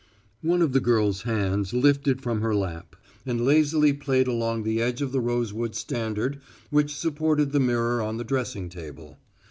One of the girl's hands lifted from her lap and lazily played along the edge of the rosewood standard which supported the mirror on the dressing table.